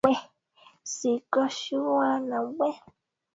mamlaka bali kuwavumilia katika yote Labda huona hofu ya kuwa dini